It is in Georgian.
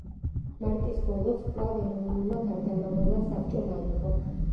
მარტის ბოლოს კვლავ ეროვნულმა გარდამავალმა საბჭომ აიღო.